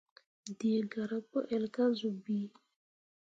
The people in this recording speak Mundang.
Dǝǝ garah pu ell kah zun bii.